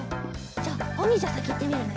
じゃあおにんじゃさきいってみるね。